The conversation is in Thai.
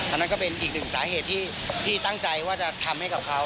อันนั้นก็เป็นอีกหนึ่งสาเหตุที่พี่ตั้งใจว่าจะทำให้กับเขา